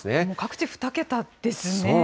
もう各地２桁ですね。